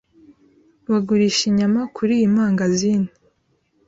Bagurisha inyama kuriyi mangazini.